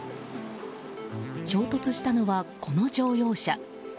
衝突したのはこの乗用車。